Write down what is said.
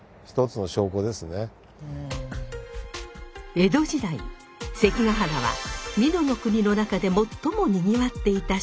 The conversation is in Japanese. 江戸時代関ケ原は美濃国の中で最もにぎわっていた宿場だそうです。